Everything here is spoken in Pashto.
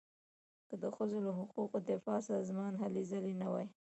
که د ښځو له حقونو دفاع سازمان هلې ځلې نه وای.